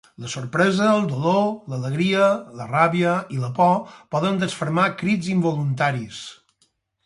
La sorpresa, el dolor, l'alegria, la ràbia i la por poden desfermar crits involuntaris.